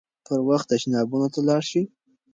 پر وخت تشناب ته لاړ شئ.